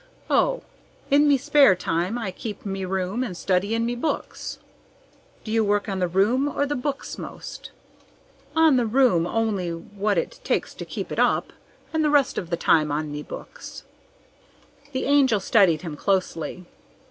"Oh, in me spare time I keep me room and study in me books." "Do you work on the room or the books most?" "On the room only what it takes to keep it up, and the rest of the time on me books." The Angel studied him closely.